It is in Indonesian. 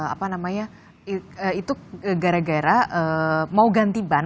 apa namanya itu gara gara mau ganti ban